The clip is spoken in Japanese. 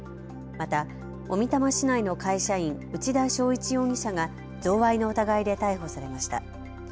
また小美玉市内の会社員、内田昭一容疑者が贈賄の疑いで逮捕されました。